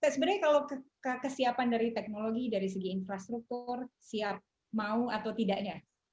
sebenarnya kalau kesiapan dari teknologi dari segi infrastruktur siap mau atau tidaknya